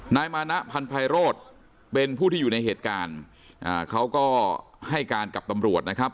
นายมานะพันภัยโรธเป็นผู้ที่อยู่ในเหตุการณ์เขาก็ให้การกับตำรวจนะครับ